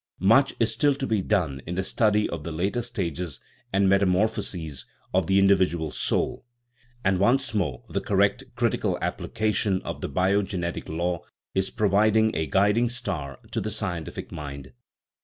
Much is still to be done in the study of the later stages and metamorphoses of the in dividual soul, and once more the correct, critical ap plication of the biogenetic law is proving a guiding star to the scientific mind.